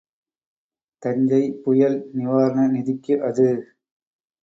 தஞ்சை புயல் நிவாரண நிதிக்கு அது.